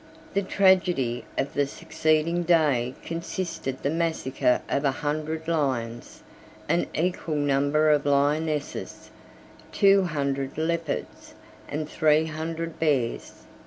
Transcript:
The tragedy of the succeeding day consisted in the massacre of a hundred lions, an equal number of lionesses, two hundred leopards, and three hundred bears.